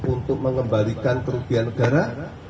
untuk mengembalikan kerugian negara